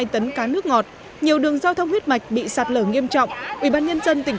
hai mươi tấn cá nước ngọt nhiều đường giao thông huyết mạch bị sạt lở nghiêm trọng ubnd tỉnh